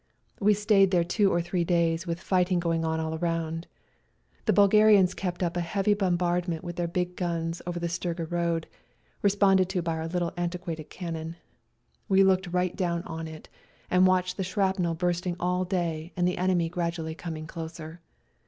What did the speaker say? We stayed there tw^o or three days with fighting going on all around. The Bulgarians kept up a heavy bombardment with their big 116 GOOD BYE TO SERBIA guns over the Struga road, responded to by our little antiquated cannon. We looked right down on it, and watched the shrapnel bursting all day and the enemy gradually coming closer.